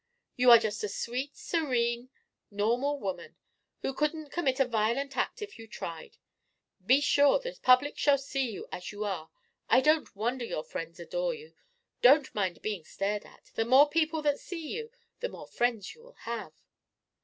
"You are just a sweet, serene, normal woman who couldn't commit a violent act if you tried. Be sure the public shall see you as you are. I don't wonder your friends adore you. Don't mind being stared at. The more people that see you, the more friends you will have."